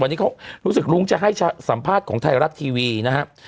วันนี้เขารู้สึกรุ้งจะให้สัมภาษณ์ของไทยรัฐทีวีนะครับ